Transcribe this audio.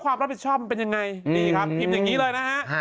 ความรับผิดชอบมันเป็นยังไงนี่ครับพิมพ์อย่างนี้เลยนะฮะ